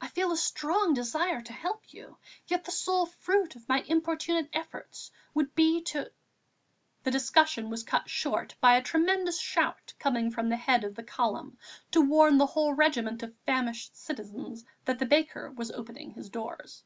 I feel a strong desire to help you; yet the sole fruit of my importunate efforts would be to...." The discussion was cut short by a tremendous shout coming from the head of the column to warn the whole regiment of famished citizens that the baker was opening his doors.